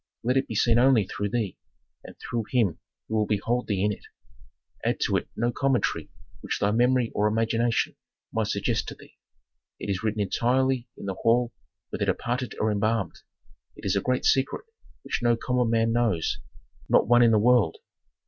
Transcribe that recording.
Let it be seen only through thee and through him who will behold thee in it. Add to it no commentary which thy memory or imagination might suggest to thee. It is written entirely in the hall where the departed are embalmed. It is a great secret which no common man knows, not one in the world.